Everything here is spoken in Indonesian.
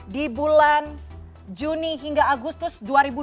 di bulan juni hingga agustus dua ribu dua puluh